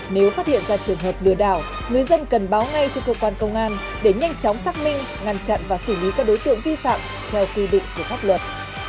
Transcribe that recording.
nếu phát hiện ra trường hợp lừa đảo người dân cần báo ngay cho cơ quan công an để nhanh chóng xác minh ngăn chặn và xử lý các đối tượng vi phạm theo quy định của pháp luật